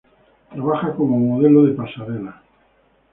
Trabaja como modelo de pasarelas.